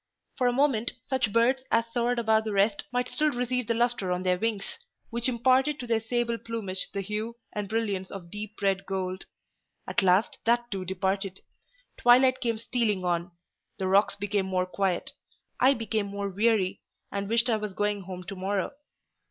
For a moment, such birds as soared above the rest might still receive the lustre on their wings, which imparted to their sable plumage the hue and brilliance of deep red gold; at last, that too departed. Twilight came stealing on; the rooks became more quiet; I became more weary, and wished I were going home to morrow.